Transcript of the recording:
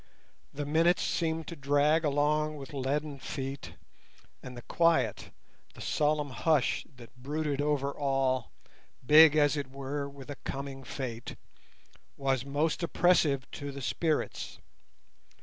The minutes seemed to drag along with leaden feet, and the quiet, the solemn hush, that brooded over all—big, as it were, with a coming fate, was most oppressive to the spirits.